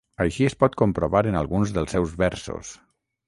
Així es pot comprovar en alguns dels seus versos.